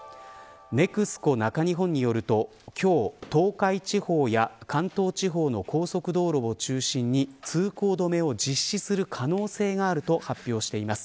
ＮＥＸＣＯ中日本によると今日、東海地方や関東地方の高速道路を中心に通行止めを実施する可能性があると発表しています。